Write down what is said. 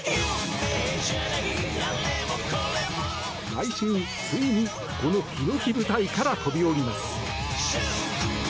来週ついに、このひのき舞台から飛び降ります！